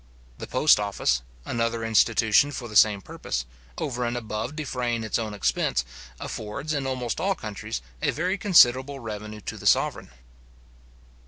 The post office, another institution for the same purpose, over and above defraying its own expense, affords, in almost all countries, a very considerable revenue to the sovereign.